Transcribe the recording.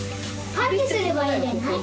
パッチすればいいんじゃない？